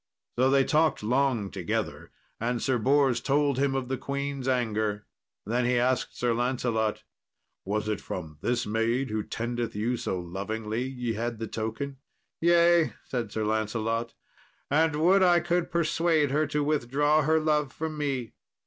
So they talked long together, and Sir Bors told him of the queen's anger. Then he asked Sir Lancelot, "Was it from this maid who tendeth you so lovingly ye had the token?" "Yea," said Sir Lancelot; "and would I could persuade her to withdraw her love from me."